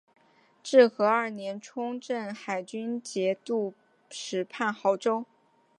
至和二年充镇海军节度使判亳州。